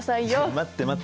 待って待って。